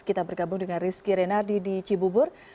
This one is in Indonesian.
kita bergabung dengan rizky renardi di cibubur